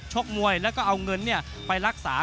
ชกมวยแล้วก็เอาเงินไปรักษา